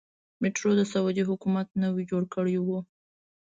میټرو د سعودي حکومت نوی جوړ کړی کار و.